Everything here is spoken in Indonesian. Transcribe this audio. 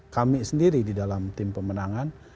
kami sendiri di dalam tim pemenangan